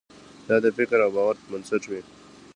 دا د فکر او باور پر بنسټ وي.